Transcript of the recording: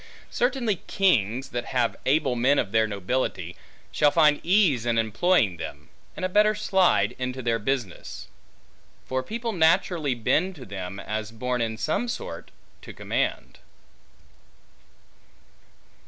Certainly, kings that have able men of their nobility, shall find ease in employing them, and a better slide into their business; for people naturally bend to them, as born in some sort to command.